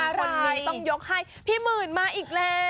รุ่นนี้ต้องยกให้พี่หมื่นมาอีกแล้ว